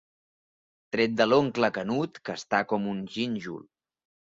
Tret de l'oncle Canut, que està com un gínjol.